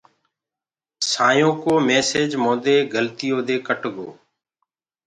سآئينٚ يو ڪو ميسيج موندي گلتيو دي ڪٽ گو۔